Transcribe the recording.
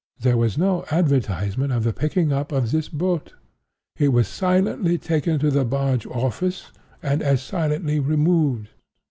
There was no advertisement of the picking up of this boat. It was silently taken to the barge office, and as silently removed.